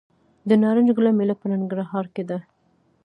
د نارنج ګل میله په ننګرهار کې ده.